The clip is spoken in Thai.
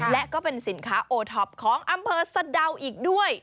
และก็เป็นสินค้าโอท็อปของอำเภอสะดาวอีกด้วย